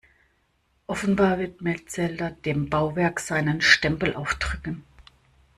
Offenbar will Metzelder dem Bauwerk seinen Stempel aufdrücken.